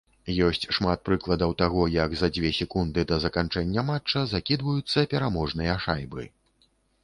Ёсць шмат прыкладаў таго, як за дзве секунды да заканчэння матча закідваюцца пераможныя шайбы.